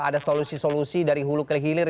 ada solusi solusi dari hulu ke hilir